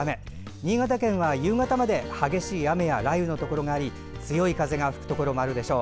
新潟県は夕方まで激しい雨や雷雨のところがあり強い風が吹くところもあるでしょう。